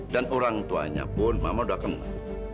dan orang tuanya pun mama udah kenal